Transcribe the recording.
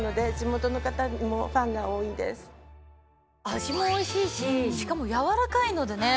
味もおいしいししかも柔らかいのでね